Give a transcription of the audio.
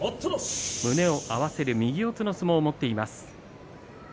胸を合わせる右四つの相撲を持っています。